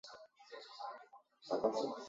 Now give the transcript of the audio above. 喜多诚一为昭和时代的日本陆军军人。